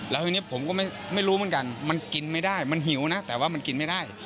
แล้วทีนี้ผมก็ไม่รู้เหมือนกันมันกินไม่ได้มันหิวนะแต่ว่ามันกินไม่ได้